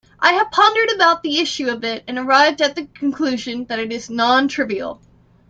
I have pondered about the issue a bit and arrived at the conclusion that it is non-trivial.